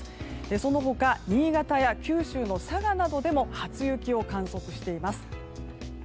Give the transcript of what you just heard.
その他新潟や九州の佐賀などでも初雪を観測しています。